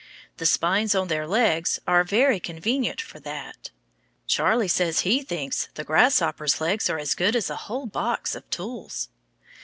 The spines on their legs are very convenient for that. Charlie says he thinks the grasshopper's legs are as good as a whole box of tools.